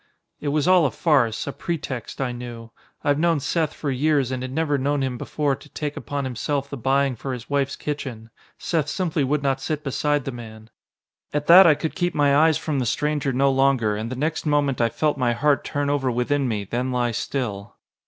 It was all a farce, a pretext, I knew. I've known Seth for years and had never known him before to take upon himself the buying for his wife's kitchen. Seth simply would not sit beside the man. At that I could keep my eyes from the stranger no longer, and the next moment I felt my heart turn over within me, then lie still.